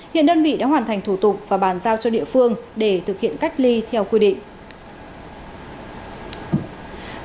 hiện đơn vị đã hoàn thành thủ tục và bàn giao cho địa phương để thực hiện cách ly theo quy định